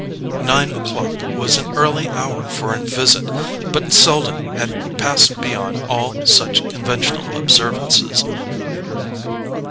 Nine o'clock was an early hour for a visit, but Selden had passed beyond all such conventional observances.